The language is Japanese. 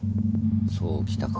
そうきたか。